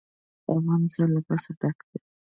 افغانستان له پسه ډک دی.